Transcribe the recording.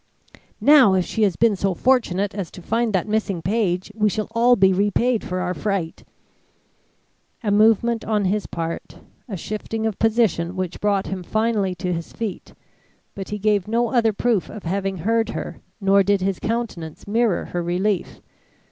"Now if she has been so fortunate as to find that missing page, we shall all be repaid for our fright." A movement on his part, a shifting of position which brought him finally to his feet, but he gave no other proof of having heard her, nor did his countenance mirror her relief.